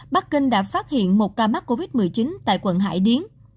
bắc kinh đã phát hiện một ca mắc covid một mươi chín tại quận hải điến